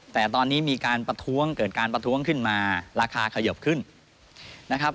แต่ตอนนี้มีการประท้วงเกิดการประท้วงขึ้นมาราคาขยบขึ้นนะครับ